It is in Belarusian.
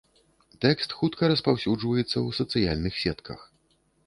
Тэкст хутка распаўсюджваецца ў сацыяльных сетках.